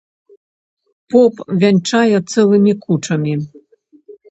Поп вянчае цэлымі кучамі.